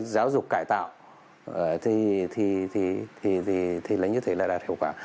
giáo dục cải tạo thì là như thế là đạt hiệu quả